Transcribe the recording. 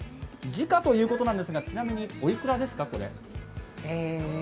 時価ということなんですがおいくらですか？